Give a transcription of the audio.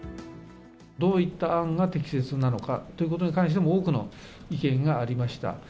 どういった案が適切なのかということに関しても、多くの意見がありました。